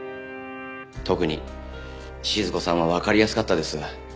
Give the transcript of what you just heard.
特に静子さんはわかりやすかったです。